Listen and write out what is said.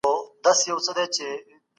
هیڅوک یې مخه نه شي نیولی.